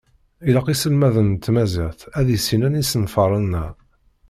Ilaq iselmaden n tmaziɣt ad issinen isenfaṛen-a.